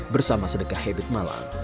bersama sedekah habit malang